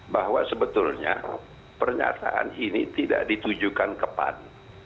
bahwa sebetulnya pernyataan ini tidak ditujukan ke pan